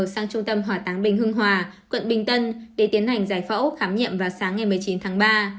sang trung tâm hỏa táng bình hưng hòa quận bình tân để tiến hành giải phẫu khám nghiệm vào sáng ngày một mươi chín tháng ba